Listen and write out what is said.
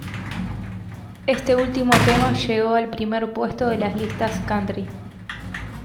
Este último tema llegó al primer puesto de las listas "country".